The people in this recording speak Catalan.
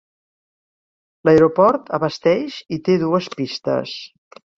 L'aeroport abasteix i té dues pistes.